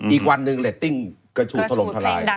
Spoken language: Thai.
อีกวันหนึ่งเรตติ้งกระฉูดถล่มทลาย